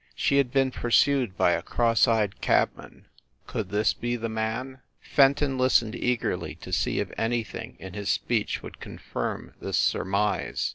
She had been pursued by a cross eyed cabman could this be the man ? Fenton listened eagerly to see if anything in his speech would confirm this surmise.